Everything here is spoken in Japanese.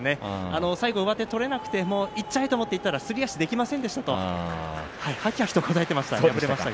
最後は上手が取れなくていっちゃえと思っていたらすり足ができませんでしたと、はきはきと答えていました。